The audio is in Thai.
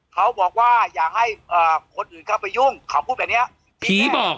เขาบอกว่าอยากให้คนอื่นเข้าไปยุ่งเขาพูดแบบนี้ผีบอก